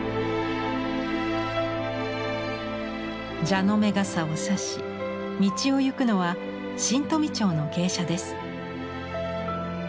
蛇の目傘をさし道を行くのは新富町の芸者です。